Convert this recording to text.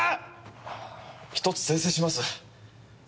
１つ訂正します。